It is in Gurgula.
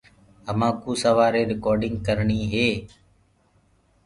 همآڪوُ سوآري رِڪآرڊيٚنگ ڪرڻي هي۔